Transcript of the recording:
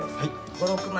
５６枚。